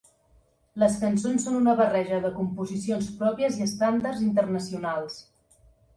Les cançons són una barreja de composicions pròpies i estàndards internacionals.